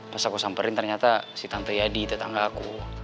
pas aku samperin ternyata si tante yadi tetangga aku